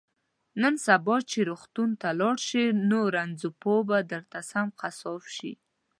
نن سبا چې روغتون ته لاړ شي نو رنځپوه به درته سم قصاب شي